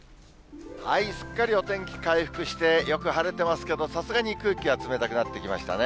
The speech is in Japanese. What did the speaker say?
すっかりお天気回復して、よく晴れてますけど、さすがに空気は冷たくなってきましたね。